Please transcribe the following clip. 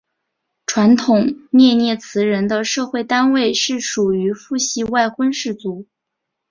传统涅涅茨人的社会单位是属于父系外婚氏族。